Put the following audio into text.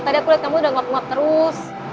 tadi aku liat kamu udah ngop ngop terus